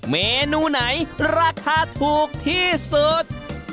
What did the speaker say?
เมนูไหนราคาถูกที่สุด